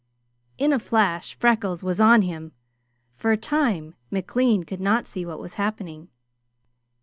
In a flash Freckles was on him. For a time McLean could not see what was happening.